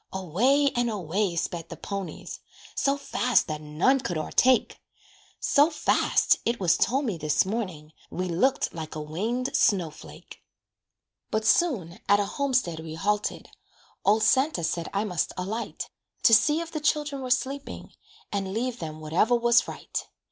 Away, and away sped the ponies, So fast that none could o'ertake So fast (it was told me this morning), We looked like a winged snow flake. But soon at a homestead we halted, Old Santa said I must alight, To see if the children were sleeping, And leave them whatever was right.